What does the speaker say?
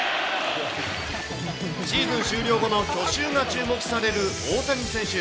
シーズン終了後の去就が注目される大谷選手。